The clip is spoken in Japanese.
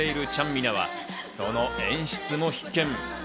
みなはこの演出も必見。